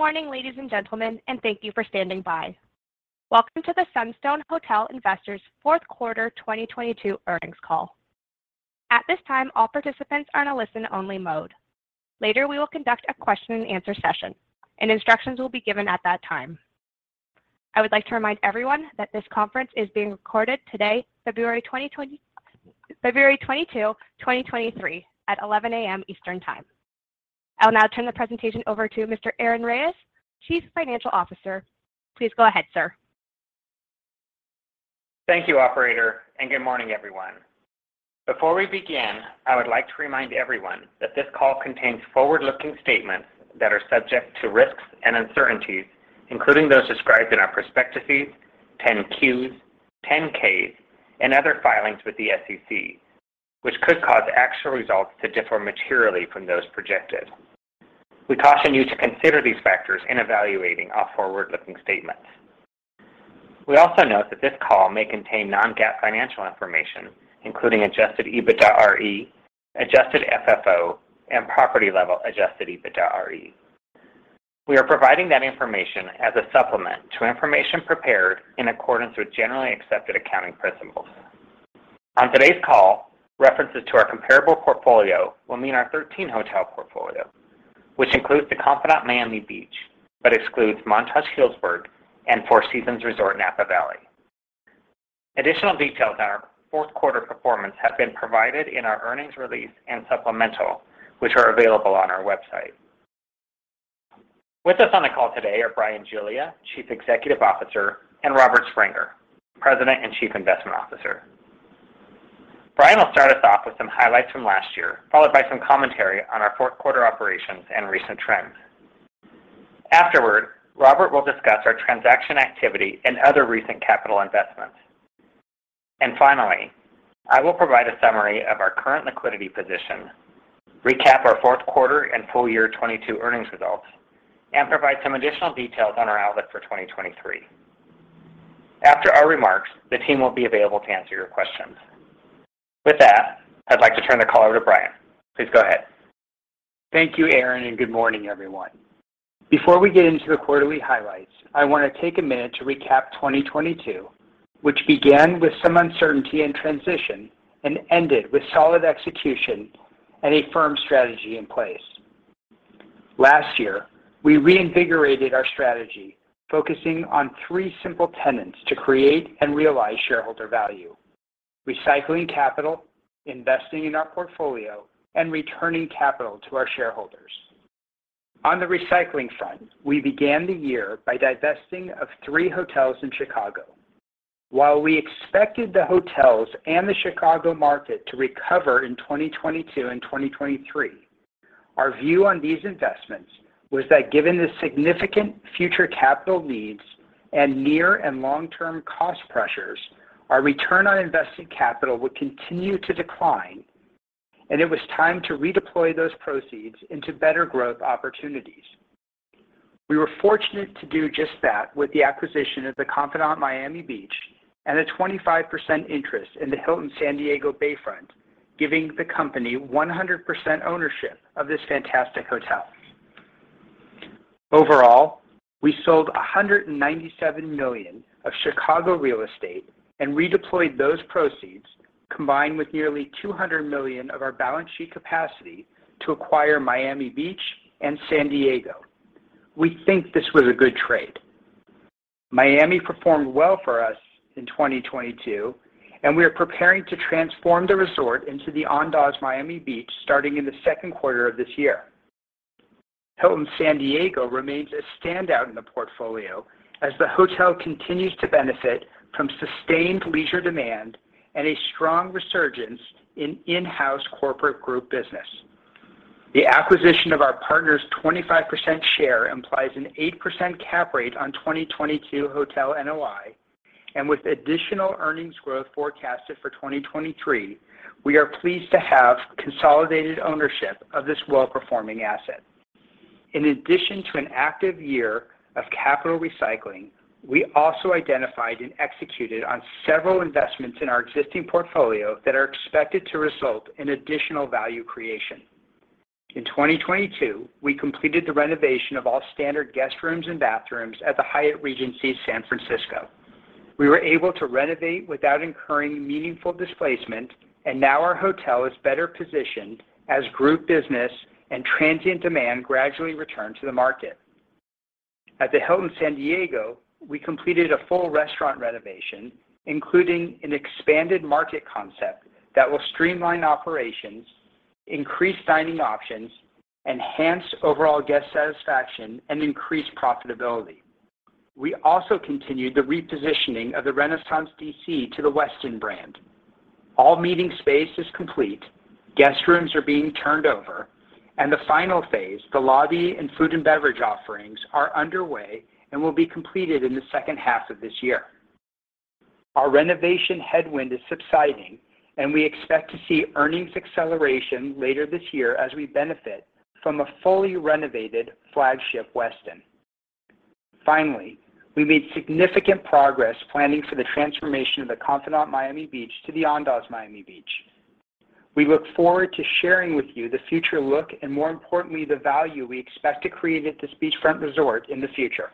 Good morning, ladies and gentlemen, and thank you for standing by. Welcome to the Sunstone Hotel Investors fourth quarter 2022 earnings call. At this time all participants are in a listen only mode. Later, we will conduct a question and answer session and instructions will be given at that time. I would like to remind everyone that this conference is being recorded today, February 22, 2023 at 11:00 A.M. Eastern Time. I will now turn the presentation over to Mr. Aaron Reyes, Chief Financial Officer. Please go ahead, sir. Thank you, operator, and good morning, everyone. Before we begin, I would like to remind everyone that this call contains forward-looking statements that are subject to risks and uncertainties, including those described in our prospectuses, 10-Qs, 10-Ks and other filings with the SEC, which could cause actual results to differ materially from those projected. We caution you to consider these factors in evaluating all forward-looking statements. We also note that this call may contain non-GAAP financial information, including Adjusted EBITDAre, Adjusted FFO, and property level Adjusted EBITDAre. We are providing that information as a supplement to information prepared in accordance with generally accepted accounting principles. On today's call, references to our comparable portfolio will mean our 13-hotel portfolio, which includes The Confidante Miami Beach, but excludes Montage Healdsburg and Four Seasons Resort Napa Valley. Additional details on our fourth quarter performance have been provided in our earnings release and supplemental, which are available on our website. With us on the call today are Bryan Giglia, Chief Executive Officer, and Robert Springer, President and Chief Investment Officer. Bryan will start us off with some highlights from last year, followed by some commentary on our fourth quarter operations and recent trends. Afterward, Robert will discuss our transaction activity and other recent capital investments. Finally, I will provide a summary of our current liquidity position, recap our fourth quarter and full year 2022 earnings results, and provide some additional details on our outlook for 2023. After our remarks, the team will be available to answer your questions. With that, I'd like to turn the call over to Bryan. Please go ahead. Thank you, Aaron. Good morning, everyone. Before we get into the quarterly highlights, I want to take a minute to recap 2022, which began with some uncertainty and transition and ended with solid execution and a firm strategy in place. Last year, we reinvigorated our strategy, focusing on three simple tenets to create and realize shareholder value: recycling capital, investing in our portfolio, and returning capital to our shareholders. On the recycling front, we began the year by divesting of three hotels in Chicago. While we expected the hotels and the Chicago market to recover in 2022 and 2023, our view on these investments was that given the significant future capital needs and near and long-term cost pressures, our return on invested capital would continue to decline, and it was time to redeploy those proceeds into better growth opportunities. We were fortunate to do just that with the acquisition of The Confidante Miami Beach and a 25% interest in the Hilton San Diego Bayfront, giving the company 100% ownership of this fantastic hotel. Overall, we sold $197 million of Chicago real estate and redeployed those proceeds, combined with nearly $200 million of our balance sheet capacity to acquire Miami Beach and San Diego. We think this was a good trade. Miami performed well for us in 2022, and we are preparing to transform the resort into the Andaz Miami Beach starting in the second quarter of this year. Hilton San Diego remains a standout in the portfolio as the hotel continues to benefit from sustained leisure demand and a strong resurgence in in-house corporate group business. The acquisition of our partner's 25% share implies an 8% cap rate on 2022 hotel NOI, with additional earnings growth forecasted for 2023, we are pleased to have consolidated ownership of this well-performing asset. In addition to an active year of capital recycling, we also identified and executed on several investments in our existing portfolio that are expected to result in additional value creation. In 2022, we completed the renovation of all standard guest rooms and bathrooms at the Hyatt Regency San Francisco. We were able to renovate without incurring meaningful displacement, now our hotel is better positioned as group business and transient demand gradually return to the market. At the Hilton San Diego, we completed a full restaurant renovation, including an expanded market concept that will streamline operations, increase dining options, enhance overall guest satisfaction, and increase profitability. We also continued the repositioning of the Renaissance D.C. to The Westin brand. All meeting space is complete, guest rooms are being turned over, and the final phase, the lobby and food and beverage offerings, are underway and will be completed in the second half of this year. Our renovation headwind is subsiding, and we expect to see earnings acceleration later this year as we benefit from a fully renovated flagship Westin. We made significant progress planning for the transformation of The Confidante Miami Beach to the Andaz Miami Beach. We look forward to sharing with you the future look and more importantly, the value we expect to create at this beachfront resort in the future.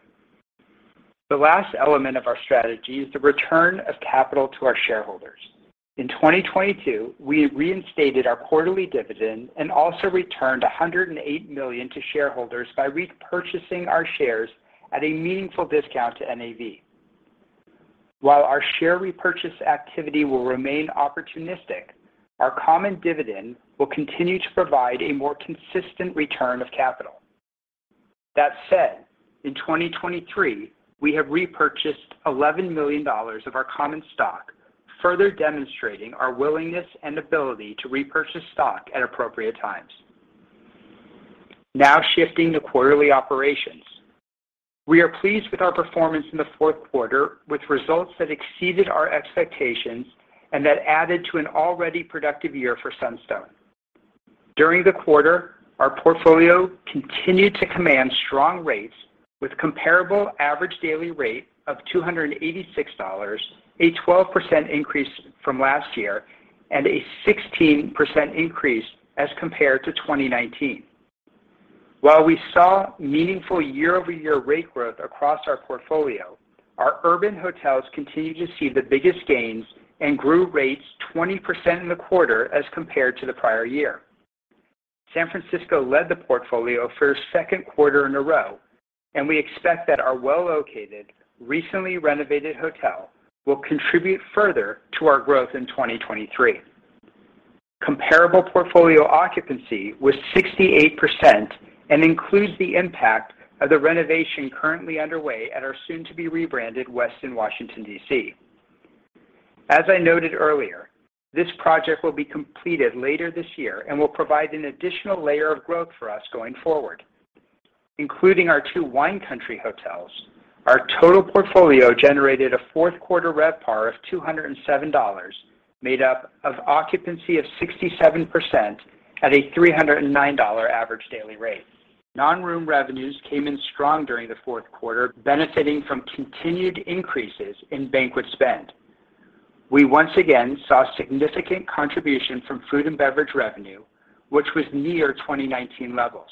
The last element of our strategy is the return of capital to our shareholders. In 2022, we reinstated our quarterly dividend and also returned $108 million to shareholders by repurchasing our shares at a meaningful discount to NAV. While our share repurchase activity will remain opportunistic, our common dividend will continue to provide a more consistent return of capital. That said, in 2023, we have repurchased $11 million of our common stock, further demonstrating our willingness and ability to repurchase stock at appropriate times. Now shifting to quarterly operations. We are pleased with our performance in the fourth quarter, with results that exceeded our expectations and that added to an already productive year for Sunstone. During the quarter, our portfolio continued to command strong rates with comparable average daily rate of $286, a 12% increase from last year and a 16% increase as compared to 2019. While we saw meaningful year-over-year rate growth across our portfolio, our urban hotels continued to see the biggest gains and grew rates 20% in the quarter as compared to the prior year. San Francisco led the portfolio for a second quarter in a row, and we expect that our well-located, recently renovated hotel will contribute further to our growth in 2023. Comparable portfolio occupancy was 68% and includes the impact of the renovation currently underway at our soon to be rebranded Westin Washington, D.C. As I noted earlier, this project will be completed later this year and will provide an additional layer of growth for us going forward. Including our two Wine Country hotels, our total portfolio generated a fourth quarter RevPAR of $207, made up of occupancy of 67% at a $309 average daily rate. Non-room revenues came in strong during the fourth quarter, benefiting from continued increases in banquet spend. We once again saw significant contribution from food and beverage revenue, which was near 2019 levels.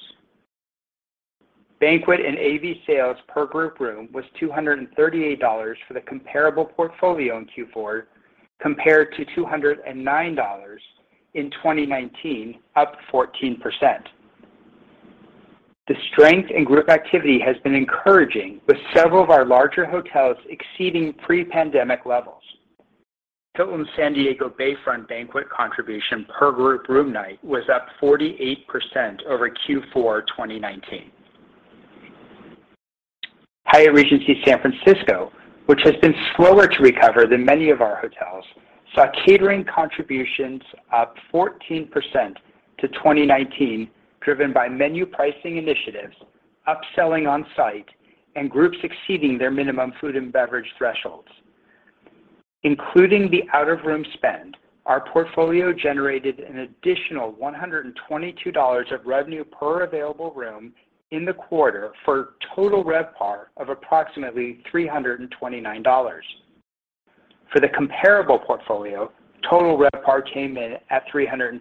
Banquet and AV sales per group room was $238 for the comparable portfolio in Q4, compared to $209 in 2019, up 14%. The strength in group activity has been encouraging, with several of our larger hotels exceeding pre-pandemic levels. Hilton San Diego Bayfront banquet contribution per group room night was up 48% over Q4 2019. Hyatt Regency San Francisco, which has been slower to recover than many of our hotels, saw catering contributions up 14% to 2019, driven by menu pricing initiatives, upselling on site and groups exceeding their minimum food and beverage thresholds. Including the out-of-room spend, our portfolio generated an additional $122 of revenue per available room in the quarter for total RevPAR of approximately $329. For the comparable portfolio, total RevPAR came in at $305,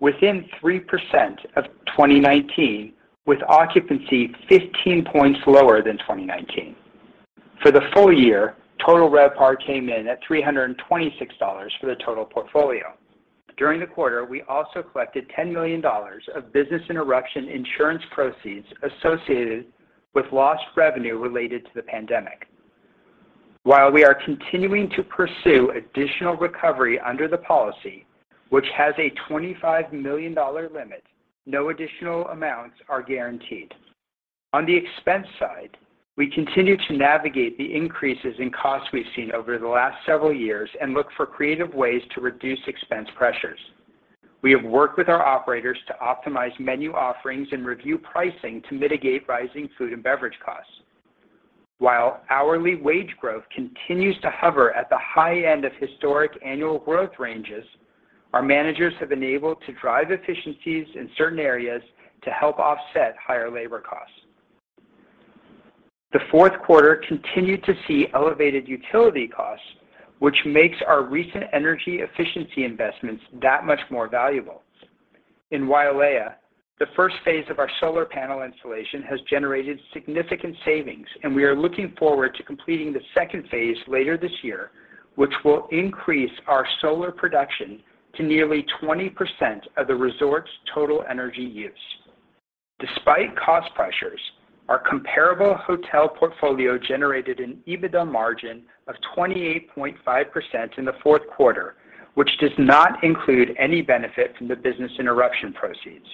within 3% of 2019, with occupancy 15 points lower than 2019. For the full year, total RevPAR came in at $326 for the total portfolio. During the quarter, we also collected $10 million of business interruption insurance proceeds associated with lost revenue related to the pandemic. While we are continuing to pursue additional recovery under the policy, which has a $25 million limit, no additional amounts are guaranteed. On the expense side, we continue to navigate the increases in costs we've seen over the last several years and look for creative ways to reduce expense pressures. We have worked with our operators to optimize menu offerings and review pricing to mitigate rising food and beverage costs. While hourly wage growth continues to hover at the high end of historic annual growth ranges, our managers have been able to drive efficiencies in certain areas to help offset higher labor costs. The fourth quarter continued to see elevated utility costs, which makes our recent energy efficiency investments that much more valuable. In Wailea, the first phase of our solar panel installation has generated significant savings, and we are looking forward to completing the second phase later this year, which will increase our solar production to nearly 20% of the resort's total energy use. Despite cost pressures, our comparable hotel portfolio generated an EBITDA margin of 28.5% in the fourth quarter, which does not include any benefit from the business interruption proceeds.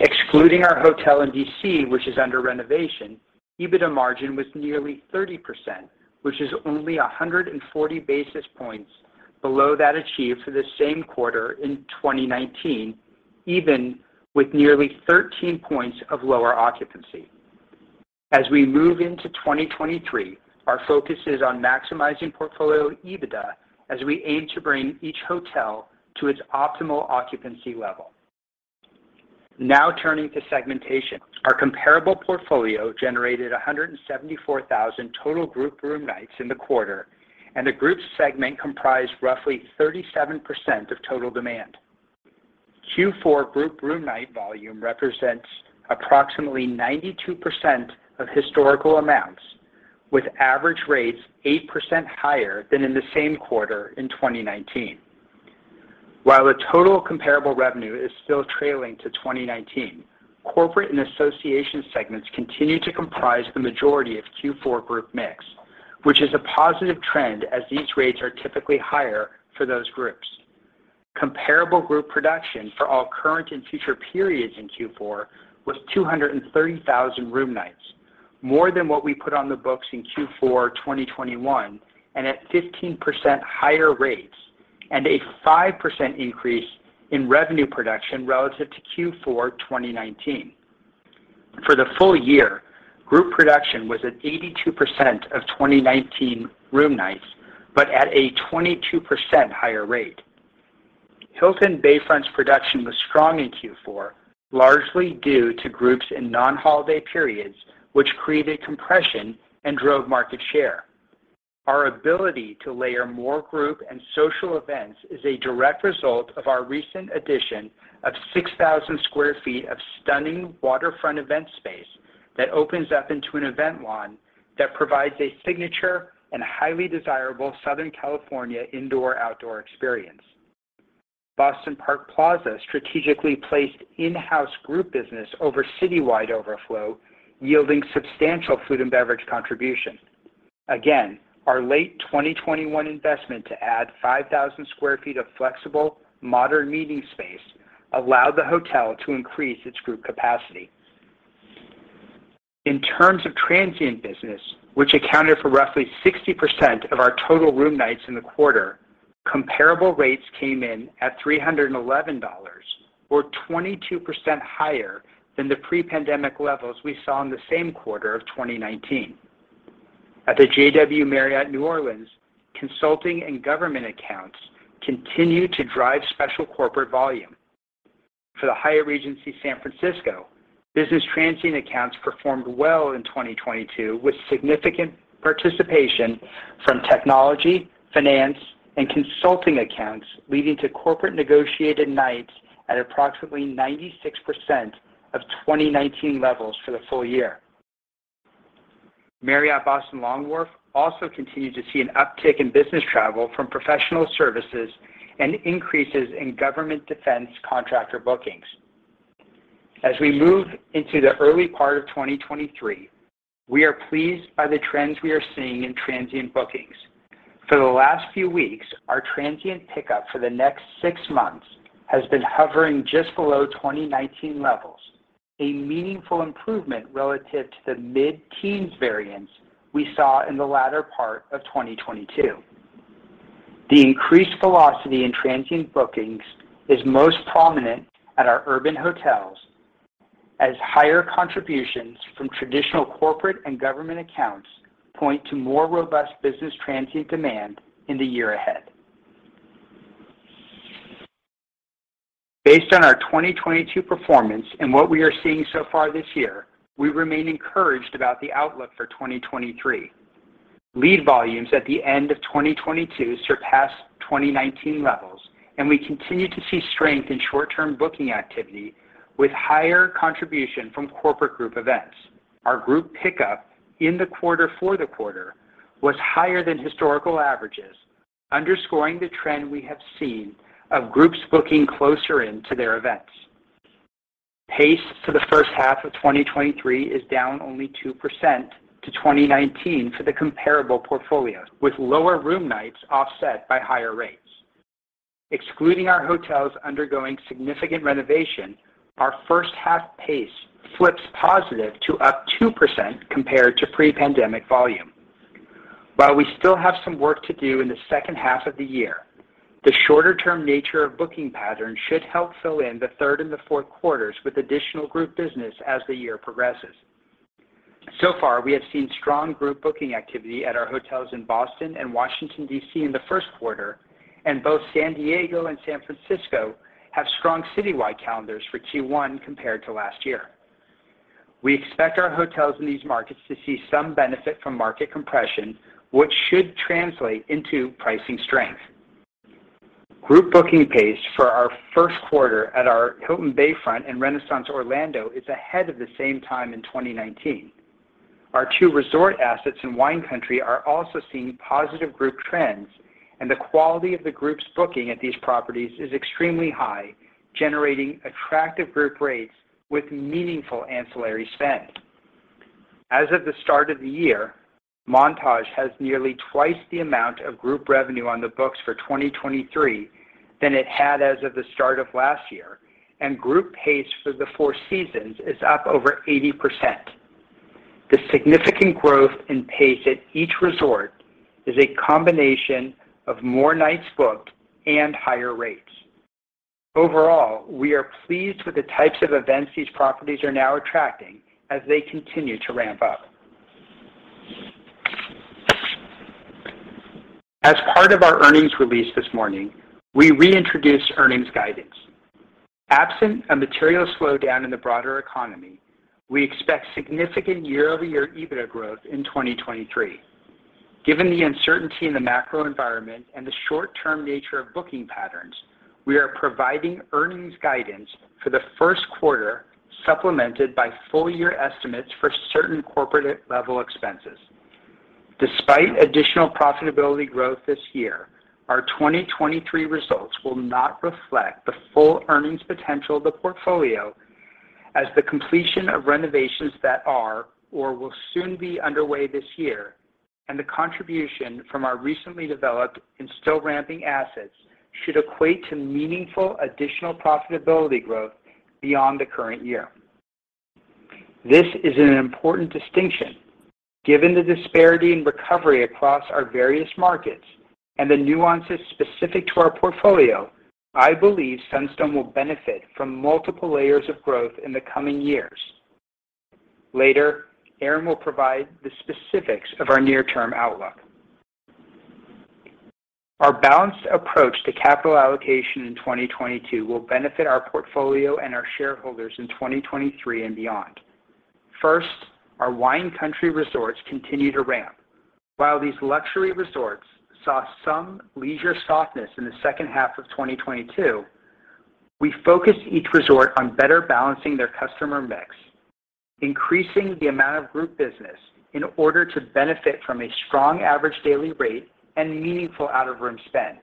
Excluding our hotel in D.C., which is under renovation, EBITDA margin was nearly 30%, which is only 140 basis points below that achieved for the same quarter in 2019, even with nearly 13 points of lower occupancy. As we move into 2023, our focus is on maximizing portfolio EBITDA as we aim to bring each hotel to its optimal occupancy level. Now turning to segmentation. Our comparable portfolio generated 174,000 total group room nights in the quarter, and the group segment comprised roughly 37% of total demand. Q4 group room night volume represents approximately 92% of historical amounts, with average rates 8% higher than in the same quarter in 2019. While the total comparable revenue is still trailing to 2019, corporate and association segments continue to comprise the majority of Q4 group mix, which is a positive trend as these rates are typically higher for those groups. Comparable group production for all current and future periods in Q4 was 230,000 room nights, more than what we put on the books in Q4 2021, and at 15% higher rates and a 5% increase in revenue production relative to Q4 2019. For the full year, group production was at 82% of 2019 room nights, but at a 22% higher rate. Hilton Bayfront's production was strong in Q4, largely due to groups in non-holiday periods, which created compression and drove market share. Our ability to layer more group and social events is a direct result of our recent addition of 6,000 sq ft of stunning waterfront event space that opens up into an event lawn that provides a signature and highly desirable Southern California indoor-outdoor experience. Boston Park Plaza strategically placed in-house group business over citywide overflow, yielding substantial food and beverage contribution. Our late 2021 investment to add 5,000 sq ft of flexible, modern meeting space allowed the hotel to increase its group capacity. In terms of transient business, which accounted for roughly 60% of our total room nights in the quarter, comparable rates came in at $311, or 22% higher than the pre-pandemic levels we saw in the same quarter of 2019. At the JW Marriott New Orleans, consulting and government accounts continue to drive special corporate volume. For the Hyatt Regency San Francisco, business transient accounts performed well in 2022, with significant participation from technology, finance, and consulting accounts, leading to corporate negotiated nights at approximately 96% of 2019 levels for the full year. Marriott Boston Long Wharf also continued to see an uptick in business travel from professional services and increases in government defense contractor bookings. As we move into the early part of 2023, we are pleased by the trends we are seeing in transient bookings. For the last few weeks, our transient pickup for the next 6 months has been hovering just below 2019 levels, a meaningful improvement relative to the mid-teens variance we saw in the latter part of 2022. The increased velocity in transient bookings is most prominent at our urban hotels as higher contributions from traditional corporate and government accounts point to more robust business transient demand in the year ahead. Based on our 2022 performance and what we are seeing so far this year, we remain encouraged about the outlook for 2023. Lead volumes at the end of 2022 surpassed 2019 levels, and we continue to see strength in short-term booking activity with higher contribution from corporate group events. Our group pickup in the quarter for the quarter was higher than historical averages, underscoring the trend we have seen of groups booking closer in to their events. Pace for the first half of 2023 is down only 2% to 2019 for the comparable portfolio, with lower room nights offset by higher rates. Excluding our hotels undergoing significant renovation, our first half pace flips positive to up 2% compared to pre-pandemic volume. While we still have some work to do in the second half of the year, the shorter-term nature of booking patterns should help fill in the third and the fourth quarters with additional group business as the year progresses. So far, we have seen strong group booking activity at our hotels in Boston and Washington, D.C. in the first quarter, and both San Diego and San Francisco have strong citywide calendars for Q1 compared to last year. We expect our hotels in these markets to see some benefit from market compression, which should translate into pricing strength. Group booking pace for our first quarter at our Hilton Bayfront and Renaissance Orlando is ahead of the same time in 2019. Our two resort assets in Wine Country are also seeing positive group trends, and the quality of the group's booking at these properties is extremely high, generating attractive group rates with meaningful ancillary spend. As of the start of the year, Montage has nearly twice the amount of group revenue on the books for 2023 than it had as of the start of last year, and group pace for the Four Seasons is up over 80%. The significant growth in pace at each resort is a combination of more nights booked and higher rates. Overall, we are pleased with the types of events these properties are now attracting as they continue to ramp up. As part of our earnings release this morning, we reintroduced earnings guidance. Absent a material slowdown in the broader economy, we expect significant year-over-year EBITDA growth in 2023. Given the uncertainty in the macro environment and the short-term nature of booking patterns, we are providing earnings guidance for the first quarter, supplemented by full-year estimates for certain corporate-level expenses. Despite additional profitability growth this year, our 2023 results will not reflect the full earnings potential of the portfolio as the completion of renovations that are or will soon be underway this year and the contribution from our recently developed and still ramping assets should equate to meaningful additional profitability growth beyond the current year. This is an important distinction. Given the disparity in recovery across our various markets and the nuances specific to our portfolio, I believe Sunstone will benefit from multiple layers of growth in the coming years. Later, Aaron will provide the specifics of our near-term outlook. Our balanced approach to capital allocation in 2022 will benefit our portfolio and our shareholders in 2023 and beyond. First, our Wine Country resorts continue to ramp. While these luxury resorts saw some leisure softness in the second half of 2022, we focused each resort on better balancing their customer mix, increasing the amount of group business in order to benefit from a strong average daily rate and meaningful out-of-room spend.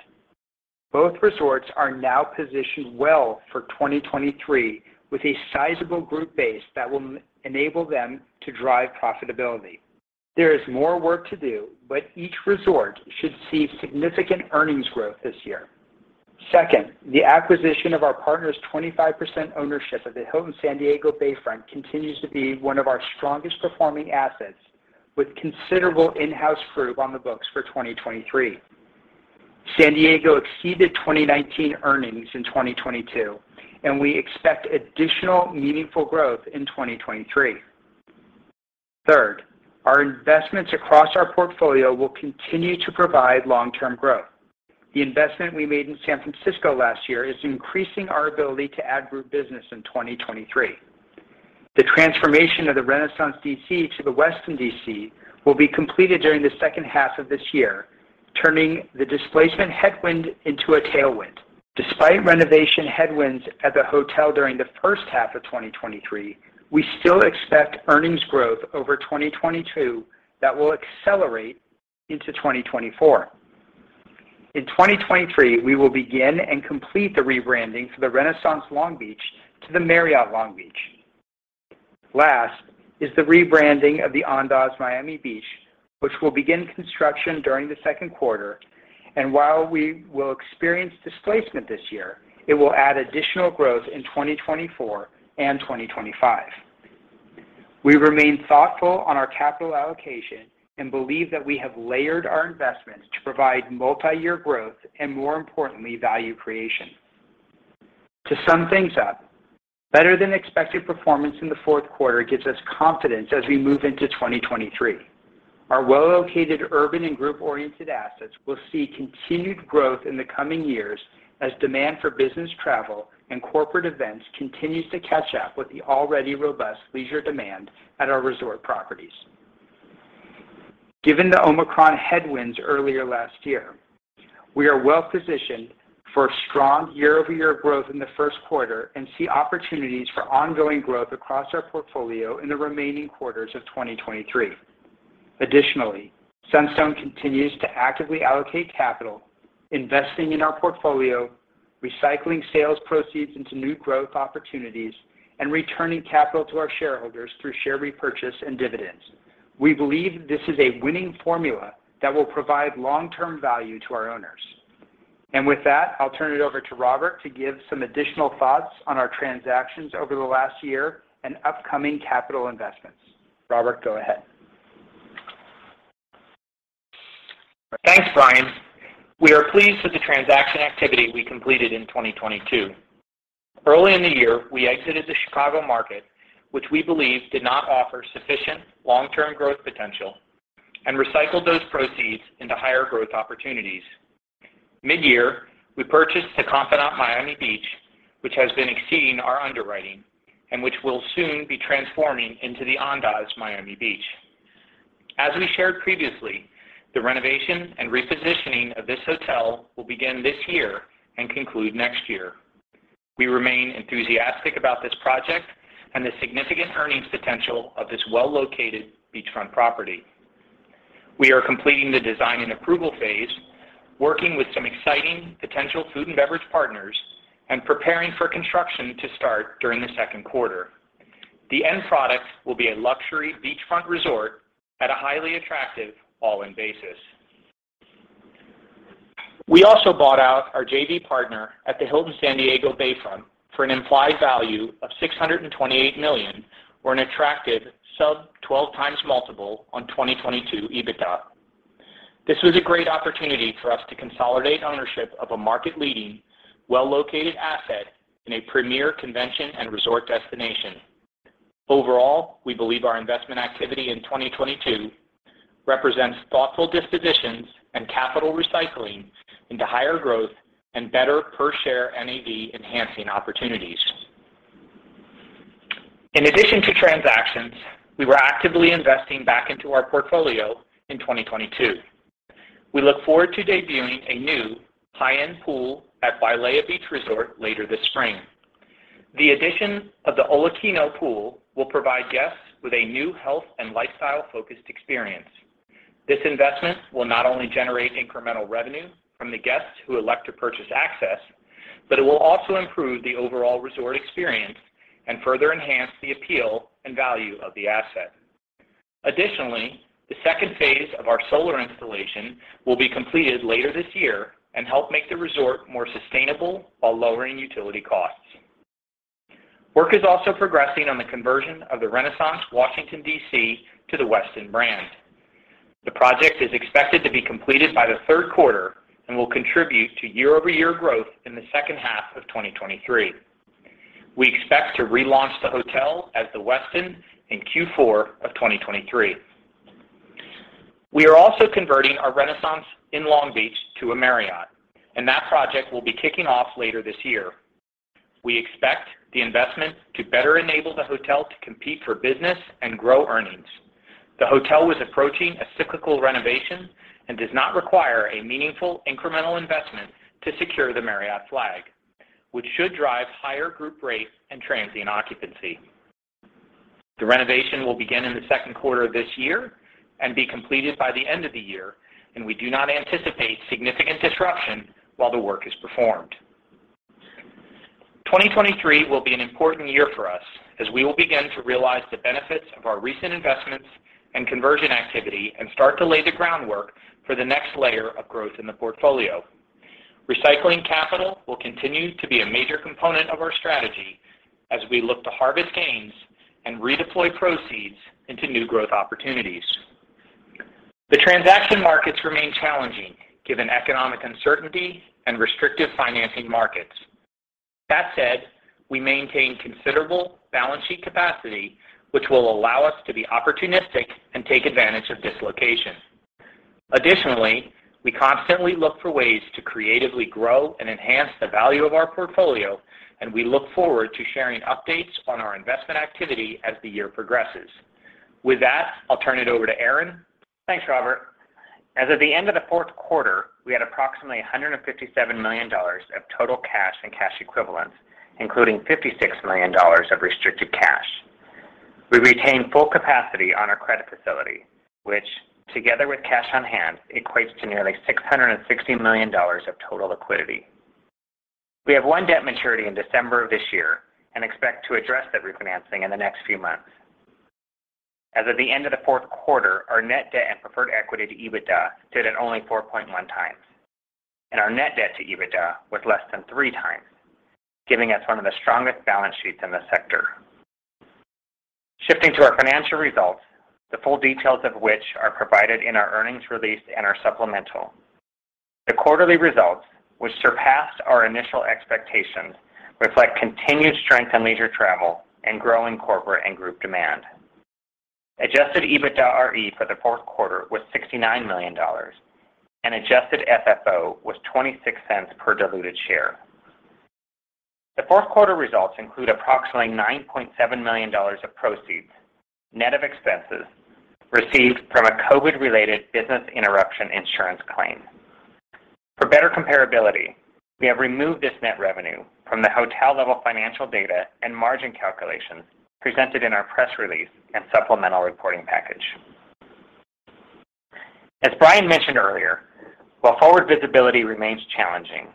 Both resorts are now positioned well for 2023, with a sizable group base that will enable them to drive profitability. There is more work to do, but each resort should see significant earnings growth this year. Second, the acquisition of our partner's 25% ownership of the Hilton San Diego Bayfront continues to be one of our strongest performing assets, with considerable in-house group on the books for 2023. San Diego exceeded 2019 earnings in 2022. We expect additional meaningful growth in 2023. Third, our investments across our portfolio will continue to provide long-term growth. The investment we made in San Francisco last year is increasing our ability to add group business in 2023. The transformation of the Renaissance D.C. to The Westin D.C. will be completed during the second half of this year, turning the displacement headwind into a tailwind. Despite renovation headwinds at the hotel during the first half of 2023, we still expect earnings growth over 2022 that will accelerate into 2024. In 2023, we will begin and complete the rebranding for the Renaissance Long Beach to the Marriott Long Beach. Last is the rebranding of the Andaz Miami Beach, which will begin construction during the second quarter. While we will experience displacement this year, it will add additional growth in 2024 and 2025. We remain thoughtful on our capital allocation and believe that we have layered our investments to provide multiyear growth and, more importantly, value creation. To sum things up, better-than-expected performance in the fourth quarter gives us confidence as we move into 2023. Our well-located urban and group-oriented assets will see continued growth in the coming years as demand for business travel and corporate events continues to catch up with the already robust leisure demand at our resort properties. Given the Omicron headwinds earlier last year, we are well-positioned for strong year-over-year growth in the first quarter and see opportunities for ongoing growth across our portfolio in the remaining quarters of 2023. Additionally, Sunstone continues to actively allocate capital, investing in our portfolio, recycling sales proceeds into new growth opportunities, and returning capital to our shareholders through share repurchase and dividends. We believe this is a winning formula that will provide long-term value to our owners. With that, I'll turn it over to Robert to give some additional thoughts on our transactions over the last year and upcoming capital investments. Robert, go ahead. Thanks, Bryan. We are pleased with the transaction activity we completed in 2022. Early in the year, we exited the Chicago market, which we believe did not offer sufficient long-term growth potential. We recycled those proceeds into higher growth opportunities. Mid-year, we purchased The Confidante Miami Beach, which has been exceeding our underwriting and which we'll soon be transforming into the Andaz Miami Beach. As we shared previously, the renovation and repositioning of this hotel will begin this year and conclude next year. We remain enthusiastic about this project and the significant earnings potential of this well-located beachfront property. We are completing the design and approval phase, working with some exciting potential food and beverage partners. We are preparing for construction to start during the second quarter. The end product will be a luxury beachfront resort at a highly attractive all-in basis. We also bought out our JV partner at the Hilton San Diego Bayfront for an implied value of $628 million, or an attractive sub 12x multiple on 2022 EBITDA. This was a great opportunity for us to consolidate ownership of a market-leading, well-located asset in a premier convention and resort destination. We believe our investment activity in 2022 represents thoughtful dispositions and capital recycling into higher growth and better per share NAV enhancing opportunities. In addition to transactions, we were actively investing back into our portfolio in 2022. We look forward to debuting a new high-end pool at Wailea Beach Resort later this spring. The addition of the Olakino Pool will provide guests with a new health and lifestyle-focused experience. This investment will not only generate incremental revenue from the guests who elect to purchase access, but it will also improve the overall resort experience and further enhance the appeal and value of the asset. The second phase of our solar installation will be completed later this year and help make the resort more sustainable while lowering utility costs. Work is also progressing on the conversion of the Renaissance Washington, D.C., to the Westin brand. The project is expected to be completed by the third quarter and will contribute to year-over-year growth in the second half of 2023. We expect to relaunch the hotel as The Westin in Q4 of 2023. We are also converting our Renaissance in Long Beach to a Marriott. That project will be kicking off later this year. We expect the investment to better enable the hotel to compete for business and grow earnings. The hotel was approaching a cyclical renovation and does not require a meaningful incremental investment to secure the Marriott flag, which should drive higher group rates and transient occupancy. The renovation will begin in the second quarter of this year and be completed by the end of the year, and we do not anticipate significant disruption while the work is performed. 2023 will be an important year for us as we will begin to realize the benefits of our recent investments and conversion activity and start to lay the groundwork for the next layer of growth in the portfolio. Recycling capital will continue to be a major component of our strategy as we look to harvest gains and redeploy proceeds into new growth opportunities. The transaction markets remain challenging given economic uncertainty and restrictive financing markets. That said, we maintain considerable balance sheet capacity, which will allow us to be opportunistic and take advantage of dislocation. Additionally, we constantly look for ways to creatively grow and enhance the value of our portfolio, and we look forward to sharing updates on our investment activity as the year progresses. With that, I'll turn it over to Aaron. Thanks, Robert. As of the end of the fourth quarter, we had approximately $157 million of total cash and cash equivalents, including $56 million of restricted cash. We retain full capacity on our credit facility, which together with cash on hand, equates to nearly $660 million of total liquidity. We have one debt maturity in December of this year and expect to address that refinancing in the next few months. As of the end of the fourth quarter, our net debt and preferred equity to EBITDA stood at only 4.1 times, and our net debt to EBITDA was less than three times, giving us one of the strongest balance sheets in the sector. Shifting to our financial results, the full details of which are provided in our earnings release and our supplemental. The quarterly results, which surpassed our initial expectations, reflect continued strength in leisure travel and growing corporate and group demand. Adjusted EBITDAre for the fourth quarter was $69 million, and Adjusted FFO was $0.26 per diluted share. The fourth quarter results include approximately $9.7 million of proceeds, net of expenses, received from a COVID-related business interruption insurance claim. For better comparability, we have removed this net revenue from the hotel-level financial data and margin calculations presented in our press release and supplemental reporting package. As Bryan mentioned earlier, while forward visibility remains challenging,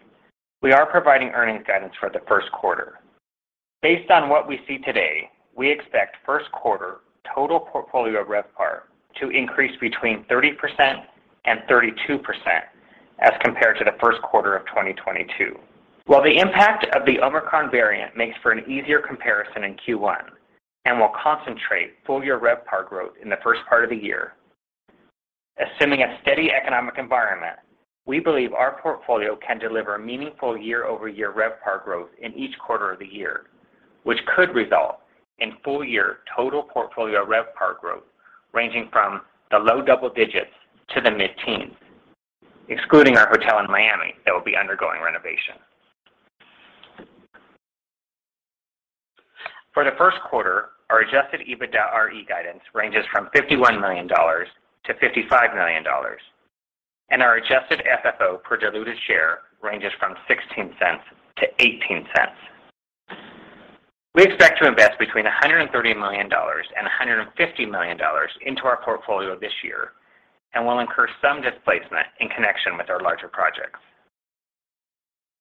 we are providing earnings guidance for the first quarter. Based on what we see today, we expect first quarter total portfolio RevPAR to increase between 30% and 32% as compared to the first quarter of 2022. While the impact of the Omicron variant makes for an easier comparison in Q1 and will concentrate full-year RevPAR growth in the first part of the year, assuming a steady economic environment, we believe our portfolio can deliver meaningful year-over-year RevPAR growth in each quarter of the year, which could result in full-year total portfolio RevPAR growth ranging from the low double digits to the mid-teens, excluding our hotel in Miami that will be undergoing renovation. For the first quarter, our Adjusted EBITDAre guidance ranges from $51 million-$55 million, and our Adjusted FFO per diluted share ranges from $0.16-$0.18. We expect to invest between $130 million and $150 million into our portfolio this year and will incur some displacement in connection with our larger projects.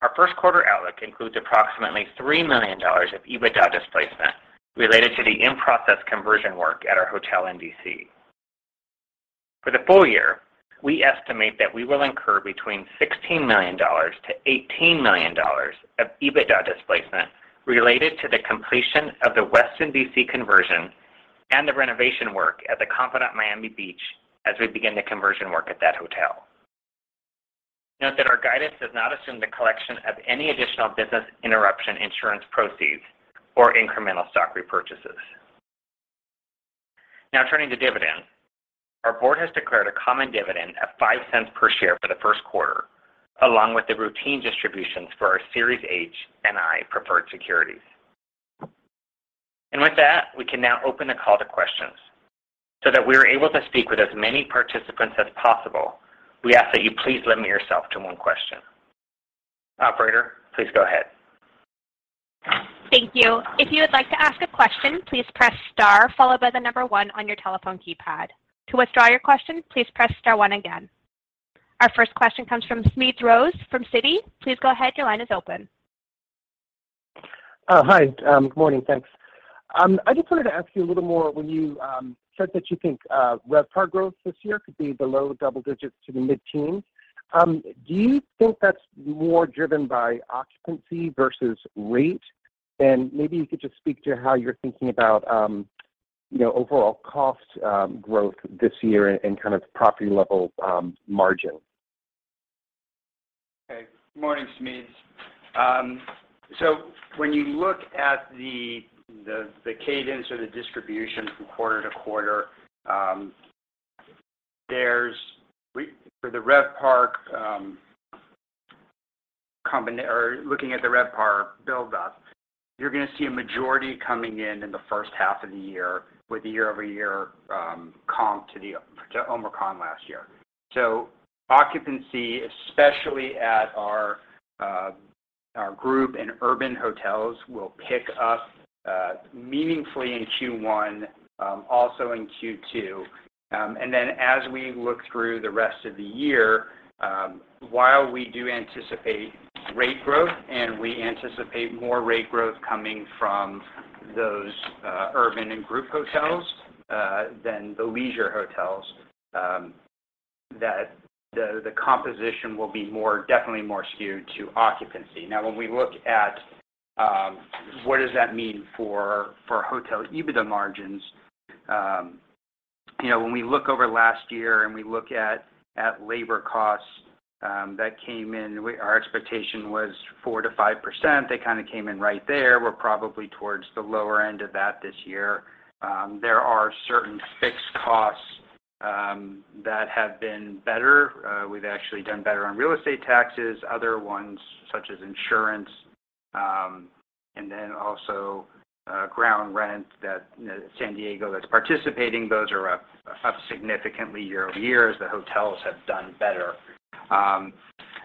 Our first quarter outlook includes approximately $3 million of EBITDA displacement related to the in-process conversion work at our hotel in D.C. For the full year, we estimate that we will incur between $16 million-$18 million of EBITDA displacement related to the completion of the Westin D.C. conversion and the renovation work at The Confidante Miami Beach as we begin the conversion work at that hotel. Note that our guidance does not assume the collection of any additional business interruption insurance proceeds or incremental stock repurchases. Turning to dividends. Our board has declared a common dividend of $0.05 per share for the first quarter, along with the routine distributions for our Series H and I preferred securities. With that, we can now open the call to questions. That we are able to speak with as many participants as possible, we ask that you please limit yourself to one question. Operator, please go ahead. Thank you. If you would like to ask a question, please press star followed by the number one on your telephone keypad. To withdraw your question, please press star one again. Our first question comes from Smedes Rose from Citi. Please go ahead. Your line is open. Hi. Good morning, thanks. I just wanted to ask you a little more when you said that you think RevPAR growth this year could be below double digits to the mid-teens. Do you think that's more driven by occupancy versus rate? Maybe you could just speak to how you're thinking about, you know, overall cost growth this year and kind of property-level margin. Okay. Good morning, Smedes. When you look at the cadence or the distribution from quarter to quarter, for the RevPAR, or looking at the RevPAR build up, you're gonna see a majority coming in in the first half of the year with a year-over-year comp to Omicron last year. Occupancy, especially at our group and urban hotels, will pick up meaningfully in Q1, also in Q2. Then as we look through the rest of the year, while we do anticipate rate growth, and we anticipate more rate growth coming from those urban and group hotels than the leisure hotels, that the composition will be more, definitely more skewed to occupancy. When we look at what does that mean for hotel EBITDA margins, you know, when we look over last year and we look at labor costs that came in, our expectation was 4%-5%. They kinda came in right there. We're probably towards the lower end of that this year. There are certain fixed costs that have been better. We've actually done better on real estate taxes, other ones such as insurance, and then also ground rent that, you know, San Diego that's participating, those are up significantly year-over-year as the hotels have done better.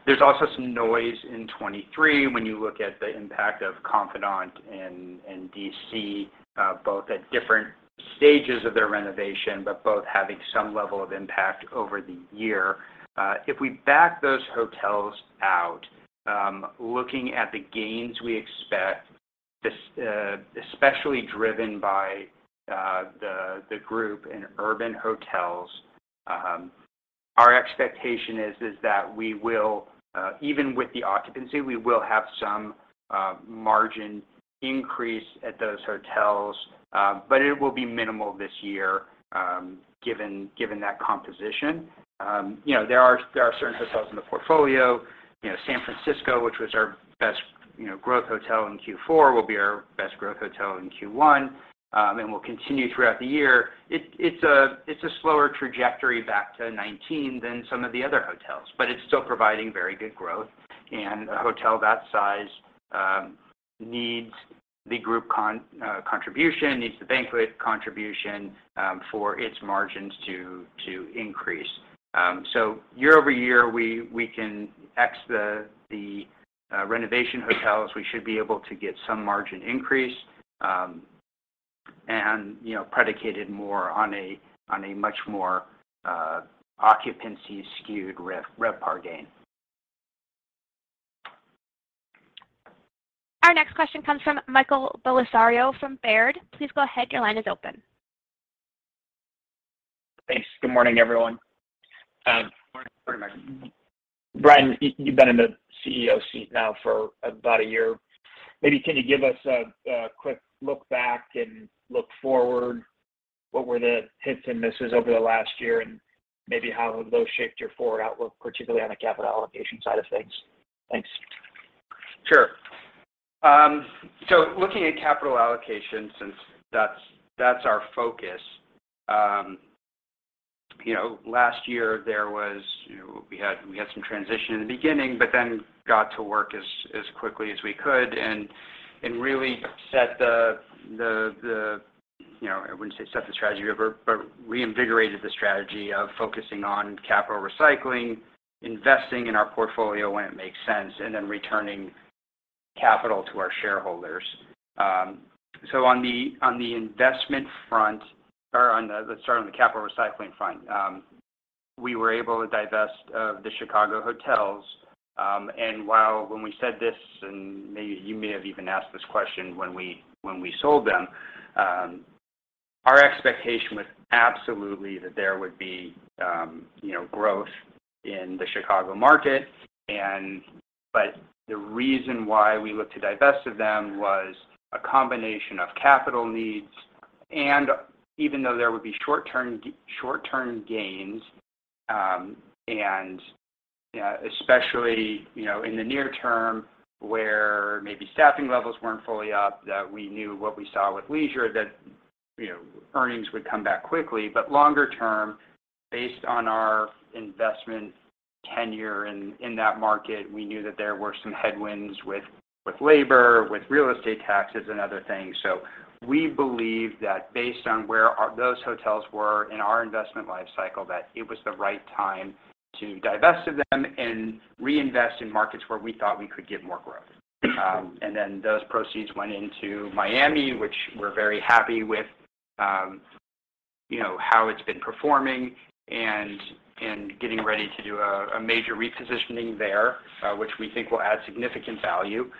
There's also some noise in 2023 when you look at the impact of Confidante in D.C., both at different stages of their renovation, but both having some level of impact over the year. If we back those hotels out, looking at the gains we expect, especially driven by the group in urban hotels, our expectation is that we will, even with the occupancy, we will have some margin increase at those hotels, but it will be minimal this year, given that composition. You know, there are certain hotels in the portfolio, you know, San Francisco, which was our best, you know, growth hotel in Q4, will be our best growth hotel in Q1, and will continue throughout the year. It's a slower trajectory back to nineteen than some of the other hotels, but it's still providing very good growth. A hotel that size needs the group contribution, needs the banquet contribution for its margins to increase. year-over-year, we can x the renovation hotels. We should be able to get some margin increase, and, you know, predicated more on a much more occupancy skewed RevPAR gain. Our next question comes from Michael Bellisario from Baird. Please go ahead. Your line is open. Thanks. Good morning, everyone. Good morning. Bryan, you've been in the CEO seat now for about a year. Maybe can you give us a quick look back and look forward, what were the hits and misses over the last year and maybe how have those shaped your forward outlook, particularly on the capital allocation side of things? Thanks. Sure. Looking at capital allocation since that's our focus, you know, last year there was, you know, we had some transition in the beginning, but then got to work as quickly as we could and really set the, you know, I wouldn't say set the strategy, but reinvigorated the strategy of focusing on capital recycling, investing in our portfolio when it makes sense, and then returning capital to our shareholders. On the investment front or Let's start on the capital recycling front. We were able to divest of the Chicago hotels. While when we said this, and maybe you may have even asked this question when we sold them, our expectation was absolutely that there would be, you know, growth in the Chicago market. The reason why we looked to divest of them was a combination of capital needs. Even though there would be short-term gains, and especially, you know, in the near term where maybe staffing levels weren't fully up, that we knew what we saw with leisure that, you know, earnings would come back quickly. Longer term, based on our investment tenure in that market, we knew that there were some headwinds with labor, with real estate taxes, and other things. We believe that based on where those hotels were in our investment life cycle, that it was the right time to divest of them and reinvest in markets where we thought we could get more growth. Those proceeds went into Miami, which we're very happy with, you know, how it's been performing and getting ready to do a major repositioning there, which we think will add significant value.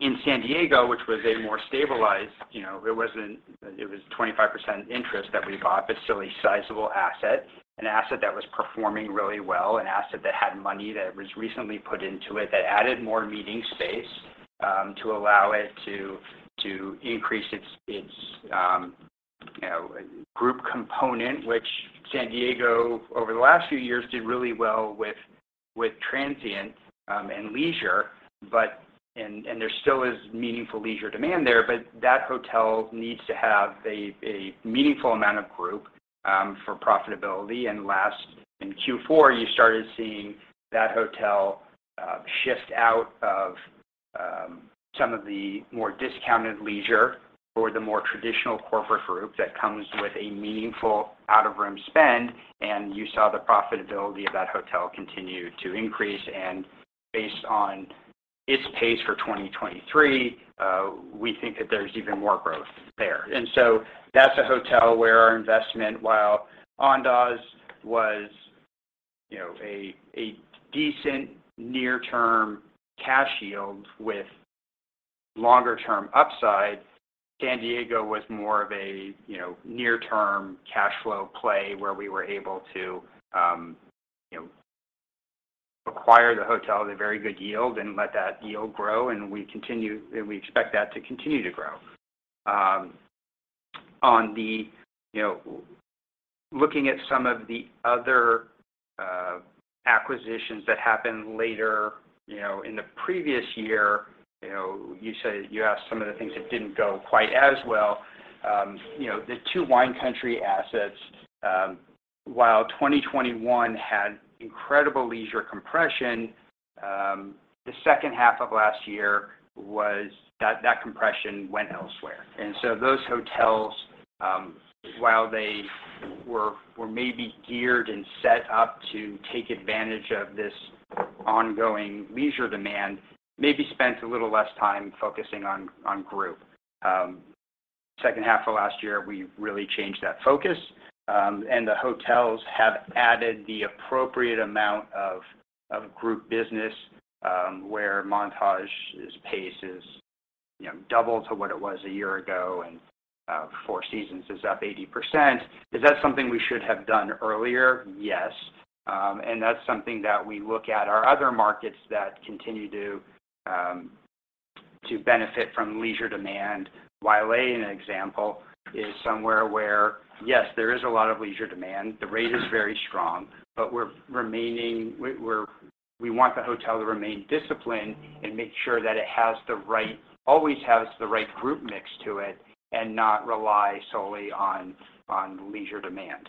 In San Diego, which was a more stabilized, you know, there wasn't... It was 25% interest that we bought, but still a sizable asset, an asset that was performing really well, an asset that had money that was recently put into it that added more meeting space to allow it to increase its, you know, group component, which San Diego over the last few years did really well with transient and leisure. There still is meaningful leisure demand there, but that hotel needs to have a meaningful amount of group for profitability. In Q4, you started seeing that hotel shift out of some of the more discounted leisure for the more traditional corporate group that comes with a meaningful out-of-room spend. You saw the profitability of that hotel continue to increase. Based on its pace for 2023, we think that there's even more growth there. That's a hotel where our investment, while Andaz was, you know, a decent near-term cash yield with longer-term upside, San Diego was more of a, you know, near-term cash flow play where we were able to, you know, acquire the hotel at a very good yield and let that yield grow, and we expect that to continue to grow. Looking at some of the other acquisitions that happened later, you know, in the previous year, you know, you asked some of the things that didn't go quite as well. You know, the two Wine Country assets, while 2021 had incredible leisure compression, the second half of last year, that compression went elsewhere. Those hotels, while they were maybe geared and set up to take advantage of this ongoing leisure demand, maybe spent a little less time focusing on group. Second half of last year, we really changed that focus, and the hotels have added the appropriate amount of group business, where Montage's pace is, you know, double to what it was a year ago, and Four Seasons is up 80%. Is that something we should have done earlier? Yes. That's something that we look at our other markets that continue to benefit from leisure demand. Wailea, an example, is somewhere where, yes, there is a lot of leisure demand. The rate is very strong. We want the hotel to remain disciplined and make sure that it always has the right group mix to it and not rely solely on leisure demand.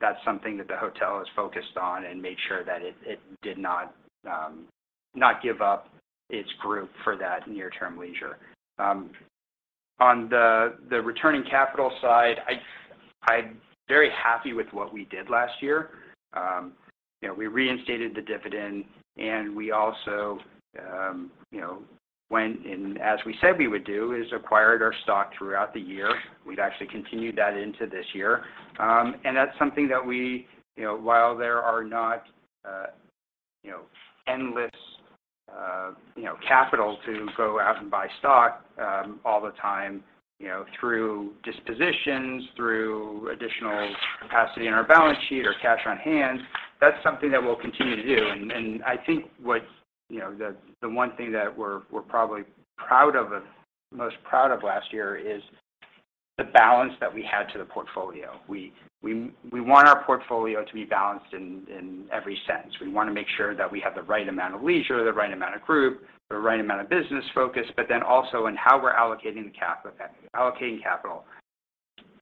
That's something that the hotel is focused on and made sure that it did not give up its group for that near-term leisure. On the returning capital side, I'm very happy with what we did last year. You know, we reinstated the dividend. We also, you know, went and, as we said we would do, is acquired our stock throughout the year. We've actually continued that into this year. That's something that we, while there are not endless capital to go out and buy stock, all the time, through dispositions, through additional capacity in our balance sheet or cash on hand, that's something that we'll continue to do. I think what the one thing that we're probably proud of and most proud of last year is the balance that we had to the portfolio. We want our portfolio to be balanced in every sense. We wanna make sure that we have the right amount of leisure, the right amount of group, the right amount of business focus, but then also in how we're allocating capital.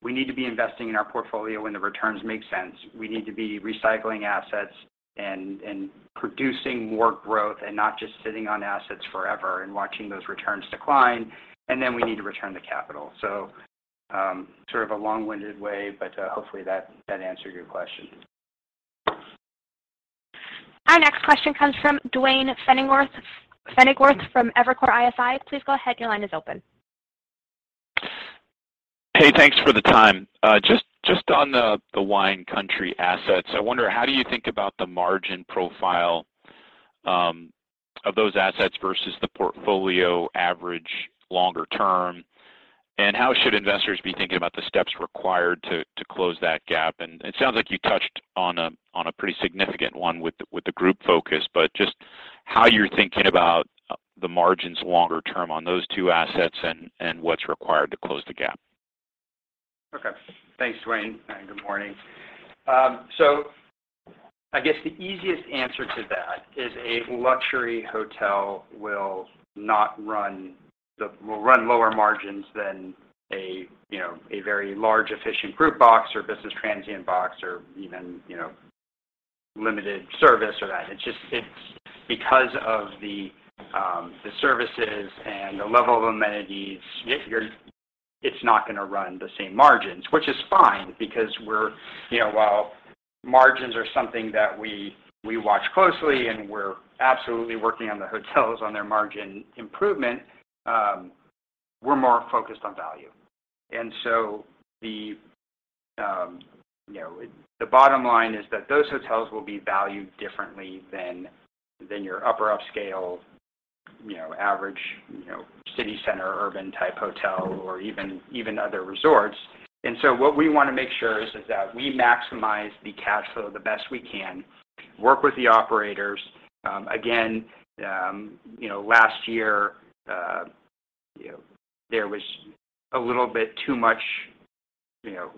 We need to be investing in our portfolio when the returns make sense. We need to be recycling assets and producing more growth and not just sitting on assets forever and watching those returns decline, and then we need to return the capital. Sort of a long-winded way, but hopefully that answered your question. Our next question comes from Duane Pfennigwerth from Evercore ISI. Please go ahead. Your line is open. Hey, thanks for the time. Just on the Wine Country assets, I wonder how do you think about the margin profile of those assets versus the portfolio average longer term? How should investors be thinking about the steps required to close that gap? It sounds like you touched on a pretty significant one with the group focus. But just How you're thinking about the margins longer term on those two assets and what's required to close the gap? Thanks, Duane, and good morning. I guess the easiest answer to that is a luxury hotel will run lower margins than a, you know, a very large efficient group box or business transient box or even, you know, limited service or that. It's just, it's because of the services and the level of amenities. It's not gonna run the same margins, which is fine because we're, you know. While margins are something that we watch closely, and we're absolutely working on the hotels on their margin improvement, we're more focused on value. The, you know, the bottom line is that those hotels will be valued differently than your upper upscale, you know, average, you know, city center, urban type hotel or even other resorts. What we wanna make sure is that we maximize the cash flow the best we can, work with the operators. Again, you know, last year, you know, there was a little bit too much, you know,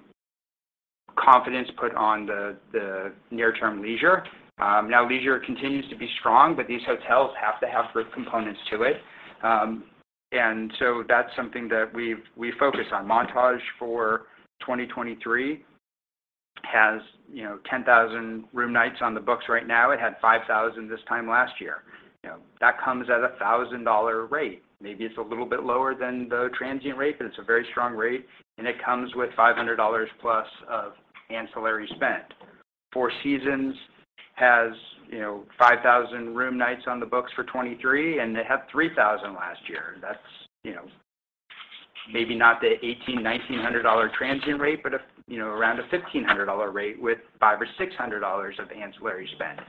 confidence put on the near term leisure. Now leisure continues to be strong, but these hotels have to have group components to it. That's something that we focus on. Montage for 2023 has, you know, 10,000 room nights on the books right now. It had 5,000 this time last year. You know, that comes at a $1,000 rate. Maybe it's a little bit lower than the transient rate, but it's a very strong rate, and it comes with $500 plus of ancillary spend. Four Seasons has, you know, 5,000 room nights on the books for 2023, and they had 3,000 last year. That's, you know, maybe not the $1,800-$1,900 transient rate, but a, you know, around a $1,500 rate with $500-$600 of ancillary spend.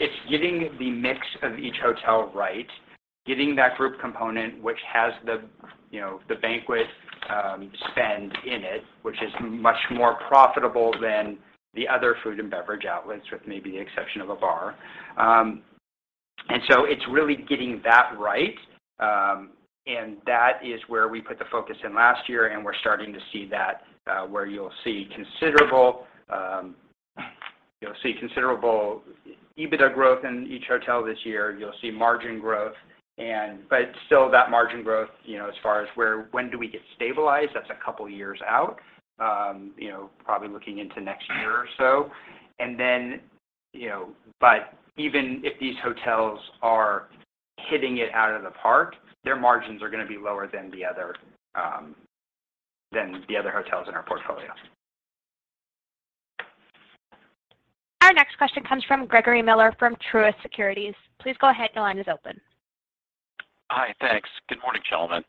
It's getting the mix of each hotel right, getting that group component, which has the, you know, the banquet spend in it, which is much more profitable than the other food and beverage outlets, with maybe the exception of a bar. It's really getting that right, and that is where we put the focus in last year, and we're starting to see that, where you'll see considerable EBITDA growth in each hotel this year. You'll see margin growth, but still that margin growth, you know, as far as when do we get stabilized, that's a couple years out, you know, probably looking into next year or so. You know, even if these hotels are hitting it out of the park, their margins are gonna be lower than the other hotels in our portfolio. Our next question comes from Gregory Miller from Truist Securities. Please go ahead. Your line is open. Hi. Thanks. Good morning, gentlemen.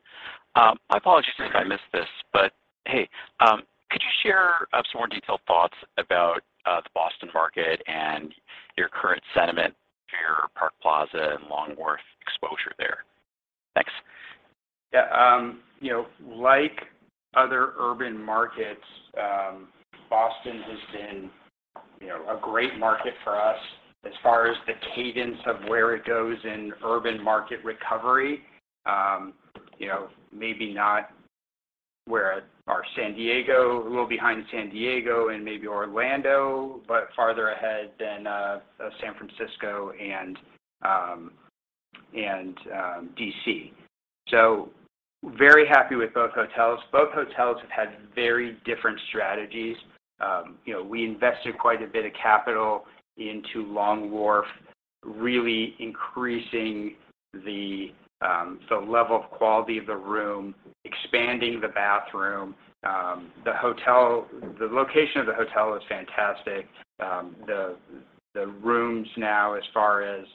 My apologies if I missed this, but hey, could you share of some more detailed thoughts about the Boston market and your current sentiment to your Park Plaza and Long Wharf exposure there? Thanks. Yeah. You know, like other urban markets, Boston has been, you know, a great market for us as far as the cadence of where it goes in urban market recovery. You know, a little behind San Diego and maybe Orlando, but farther ahead than San Francisco and D.C. Very happy with both hotels. Both hotels have had very different strategies. You know, we invested quite a bit of capital into Long Wharf, really increasing the level of quality of the room, expanding the bathroom. The location of the hotel is fantastic. The rooms now as far as,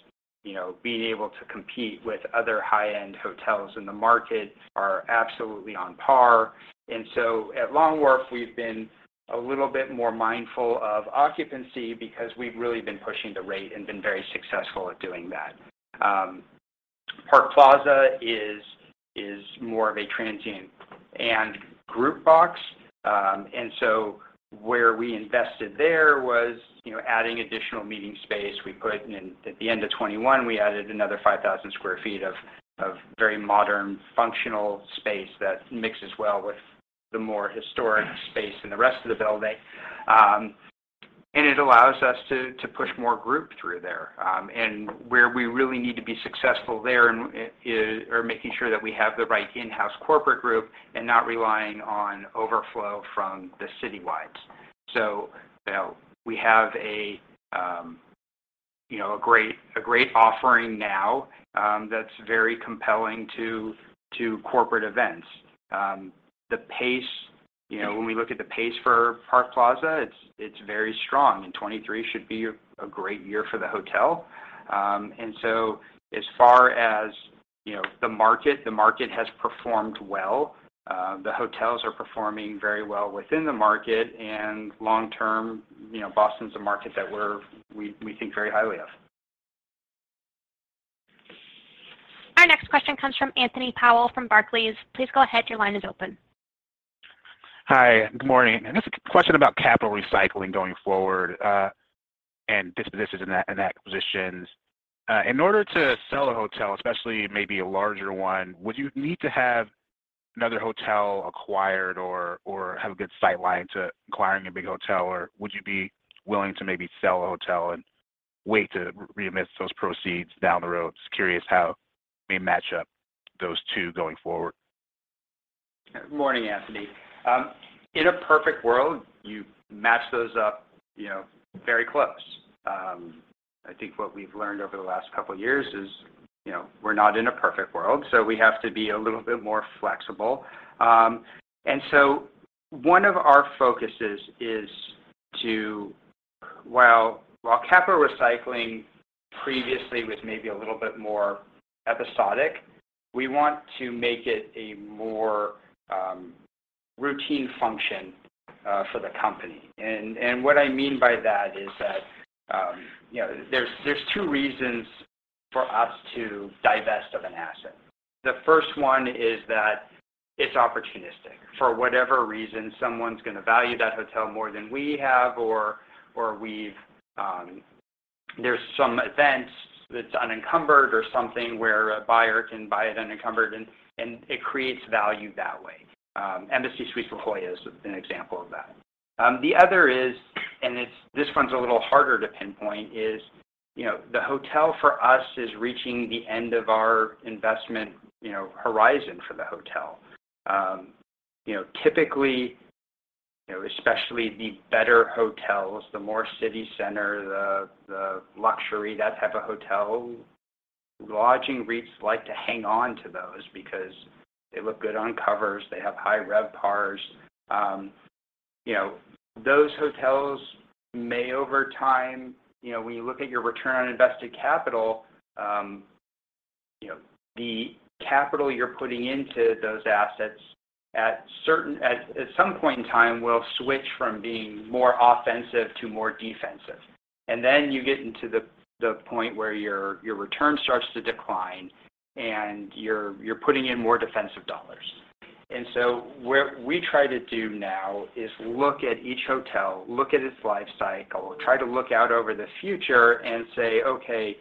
you know, being able to compete with other high-end hotels in the market are absolutely on par. At Long Wharf, we've been a little bit more mindful of occupancy because we've really been pushing the rate and been very successful at doing that. Park Plaza is more of a transient and group box. Where we invested there was, you know, adding additional meeting space. At the end of 2021, we added another 5,000 sq ft of very modern functional space that mixes well with the more historic space in the rest of the building. It allows us to push more group through there. Where we really need to be successful there is or making sure that we have the right in-house corporate group and not relying on overflow from the citywides. You know, we have a, you know, a great offering now that's very compelling to corporate events. The pace, you know, when we look at the pace for Park Plaza, it's very strong, and 23 should be a great year for the hotel. As far as, you know, the market has performed well. The hotels are performing very well within the market, and long term, you know, Boston's a market that we think very highly of. Next question comes from Anthony Powell from Barclays. Please go ahead, your line is open. Hi, good morning. This is a question about capital recycling going forward and acquisitions. In order to sell a hotel, especially maybe a larger one, would you need to have another hotel acquired or have a good sight line to acquiring a big hotel, or would you be willing to maybe sell a hotel and wait to remits those proceeds down the road? Just curious how you may match up those two going forward. Morning, Anthony. In a perfect world, you match those up, you know, very close. I think what we've learned over the last couple of years is, you know, we're not in a perfect world, we have to be a little bit more flexible. One of our focuses is to. While capital recycling previously was maybe a little bit more episodic, we want to make it a more routine function for the company. And what I mean by that is that, you know, there's 2 reasons for us to divest of an asset. The first one is that it's opportunistic. For whatever reason, someone's gonna value that hotel more than we have or we've. There's some event that's unencumbered or something where a buyer can buy it unencumbered and it creates value that way. Embassy Suites La Jolla is an example of that. The other is, and this one's a little harder to pinpoint, is, you know, the hotel for us is reaching the end of our investment, you know, horizon for the hotel. You know, typically, you know, especially the better hotels, the more city center, the luxury, that type of hotel, lodging REITs like to hang on to those because they look good on covers. They have high RevPARs. You know, those hotels may over time, you know, when you look at your return on invested capital, you know, the capital you're putting into those assets at some point in time will switch from being more offensive to more defensive. You get into the point where your return starts to decline and you're putting in more defensive dollars. Where we try to do now is look at each hotel, look at its life cycle, try to look out over the future and say, "Okay,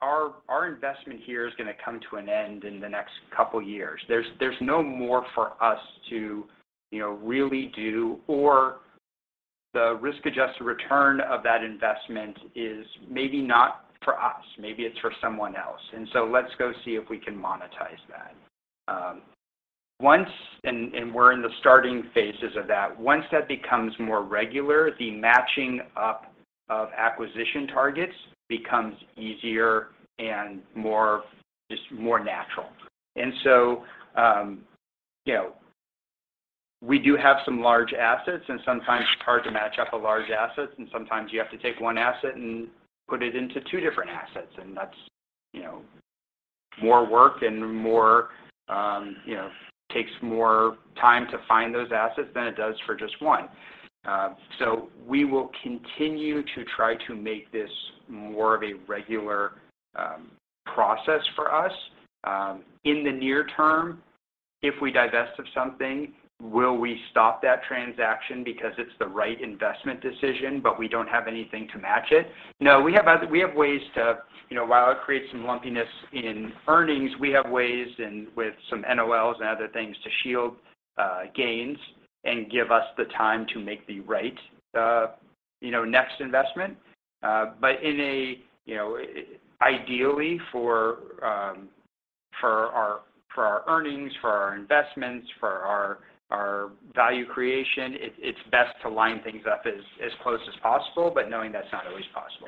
our investment here is gonna come to an end in the next couple of years." There's no more for us to, you know, really do, or the risk-adjusted return of that investment is maybe not for us. Maybe it's for someone else. Let's go see if we can monetize that. We're in the starting phases of that. Once that becomes more regular, the matching up of acquisition targets becomes easier and more, just more natural. you know, we do have some large assets, and sometimes it's hard to match up a large asset, and sometimes you have to take one asset and put it into two different assets. That's, you know, more work and more. Takes more time to find those assets than it does for just one. We will continue to try to make this more of a regular, process for us. In the near term, if we divest of something, will we stop that transaction because it's the right investment decision, but we don't have anything to match it? No. We have ways to, you know, while it creates some lumpiness in earnings, we have ways with some NOLs and other things to shield gains and give us the time to make the right, you know, next investment. In a, you know, ideally for our, for our earnings, for our investments, for our value creation, it's best to line things up as close as possible, but knowing that's not always possible.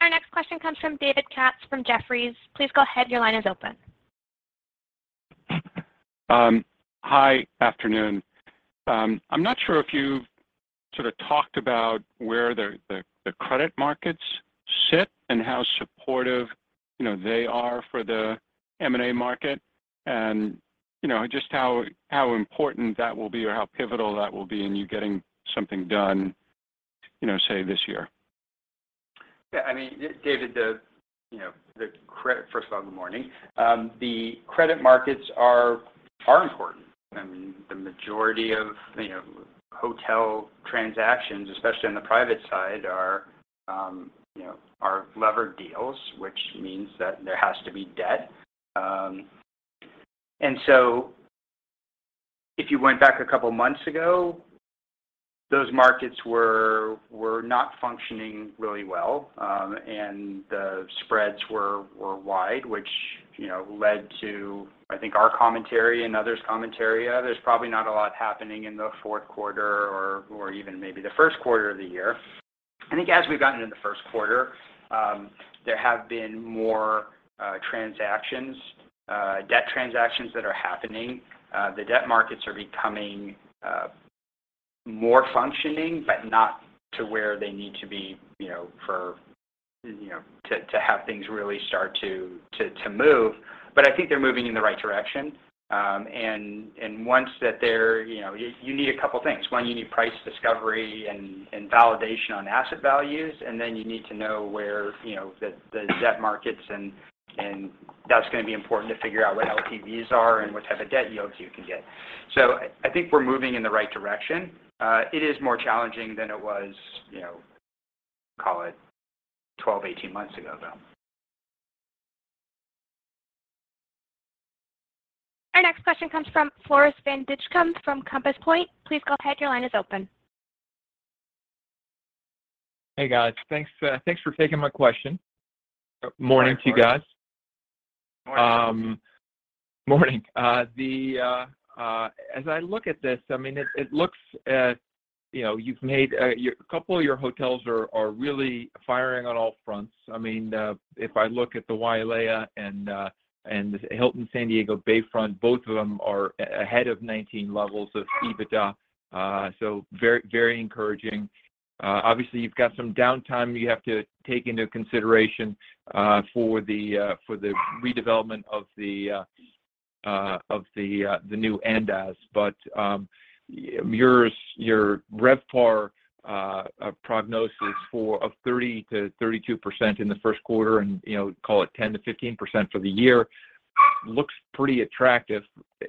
Our next question comes from David Katz from Jefferies. Please go ahead. Your line is open. Hi. Afternoon. I'm not sure if you've sort of talked about where the credit markets sit and how supportive, you know, they are for the M&A market and, you know, just how important that will be or how pivotal that will be in you getting something done, you know, say, this year? I mean, David, the, you know, the credit... First of all, good morning. The credit markets are important. I mean, the majority of, you know, hotel transactions, especially on the private side, are, you know, levered deals, which means that there has to be debt. If you went back a couple of months ago, those markets were not functioning really well, and the spreads were wide, which, you know, led to, I think, our commentary and others' commentary. There's probably not a lot happening in the fourth quarter or even maybe the first quarter of the year. I think as we've gotten into the first quarter, there have been more transactions, debt transactions that are happening. The debt markets are becoming more functioning, but not to where they need to be, you know, for, you know, to have things really start to move, but I think they're moving in the right direction. Once that they're... You know, you need a couple things. One, you need price discovery and validation on asset values, and then you need to know where, you know, the debt markets and that's gonna be important to figure out what LTVs are and what type of debt yields you can get. I think we're moving in the right direction. It is more challenging than it was, you know, call it 12, 18 months ago, though. Our next question comes from Floris van Dijkum from Compass Point. Please go ahead, your line is open. Hey, guys. Thanks for taking my question. Morning to you guys. Morning. Morning. As I look at this, I mean, it looks, you know, you've made a couple of your hotels are really firing on all fronts. I mean, if I look at the Wailea and the Hilton San Diego Bayfront, both of them are ahead of 2019 levels of EBITDA, so very, very encouraging. Obviously you've got some downtime you have to take into consideration for the redevelopment of the new Andaz. Yours, your RevPAR prognosis of 30%-32% in the first quarter and, you know, call it 10%-15% for the year looks pretty attractive.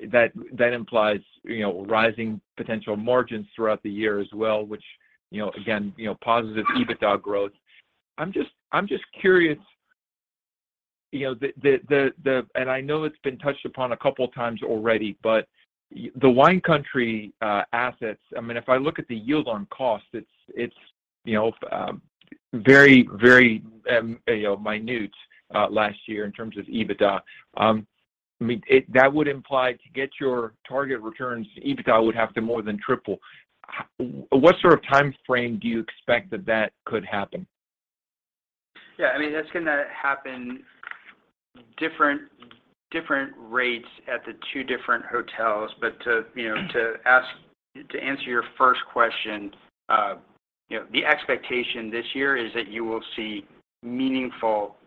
That implies, you know, rising potential margins throughout the year as well, which, you know, again, you know, positive EBITDA growth. I'm just curious, you know, I know it's been touched upon a couple of times already, but the Wine Country assets, I mean, if I look at the yield on cost, it's, you know, very, very, you know, minute last year in terms of EBITDA. I mean, That would imply to get your target returns, EBITDA would have to more than triple. What sort of timeframe do you expect that that could happen? Yeah. I mean, that's gonna happen different rates at the two different hotels. To answer your first question, you know, the expectation this year is that you will see meaningful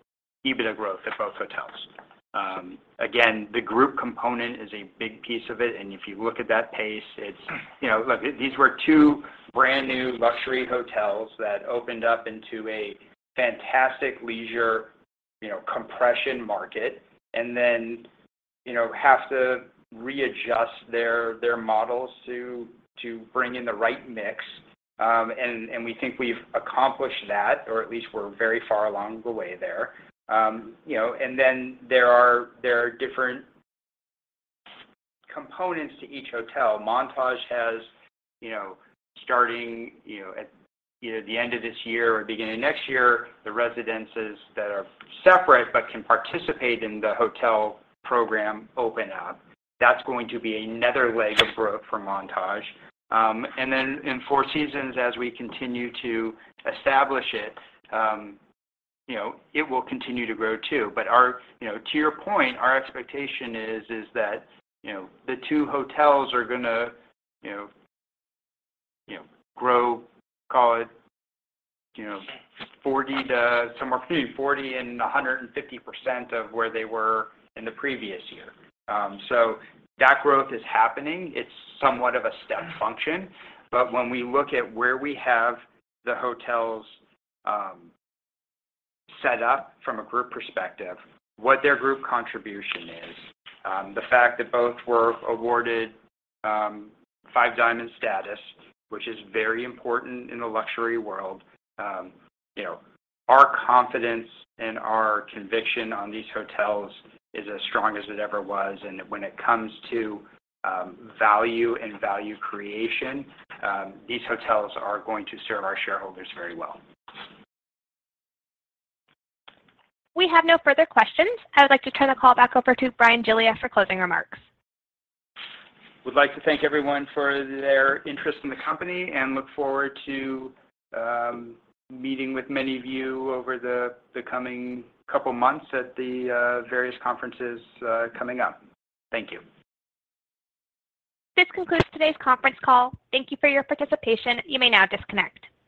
EBITDA growth at both hotels. Again, the group component is a big piece of it. If you look at that pace, it's. You know, look, these were two brand-new luxury hotels that opened up into a fantastic leisure, you know, compression market, then, you know, have to readjust their models to bring in the right mix. We think we've accomplished that, or at least we're very far along the way there. You know, then there are different components to each hotel. Montage has, you know, starting, you know, at, you know, the end of this year or beginning of next year, the residences that are separate but can participate in the hotel program open up. That's going to be another leg of growth for Montage. Then in Four Seasons, as we continue to establish it, you know, it will continue to grow, too. You know, to your point, our expectation is that, you know, the two hotels are going to grow, call it, you know, 40% to somewhere between 40% and 150% of where they were in the previous year. That growth is happening. It's somewhat of a step function. When we look at where we have the hotels, set up from a group perspective, what their group contribution is, the fact that both were awarded Five Diamond status, which is very important in the luxury world, you know, our confidence and our conviction on these hotels is as strong as it ever was. When it comes to value and value creation, these hotels are going to serve our shareholders very well. We have no further questions. I would like to turn the call back over to Bryan Giglia for closing remarks. Would like to thank everyone for their interest in the company and look forward to meeting with many of you over the coming couple months at the various conferences coming up. Thank you. This concludes today's conference call. Thank you for your participation. You may now disconnect.